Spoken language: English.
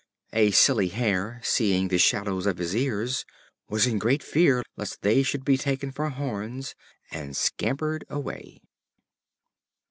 A silly Hare, seeing the shadow of his ears, was in great fear lest they should be taken for horns, and scampered away.